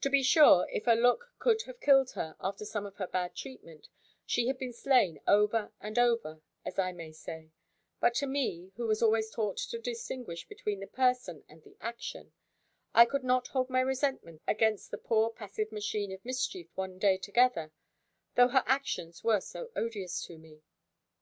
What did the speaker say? To be sure, if a look could have killed her, after some of her bad treatment, she had been slain over and over, as I may say: but to me, who was always taught to distinguish between the person and the action, I could not hold my resentment against the poor passive machine of mischief one day together, though her actions were so odious to me.